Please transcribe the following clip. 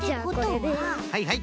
はいはい。